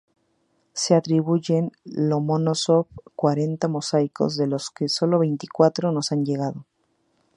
Se atribuyen a Lomonósov cuarenta mosaicos, de los que solo veinticuatro nos han llegado.